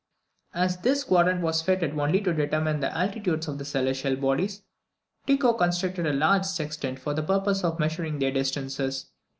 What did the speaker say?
As this quadrant was fitted only to determine the altitudes of the celestial bodies, Tycho constructed a large sextant for the purpose of measuring their distances.